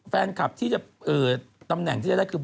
แฟนคลับที่จะตำแหน่งที่จะได้คือ